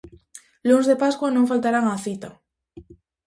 Luns de Pascua non faltarán á cita.